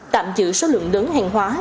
tạm giữ số lượng lớn hàng hóa